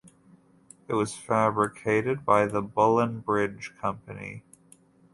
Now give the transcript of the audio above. It was fabricated by the Bullen Bridge Company.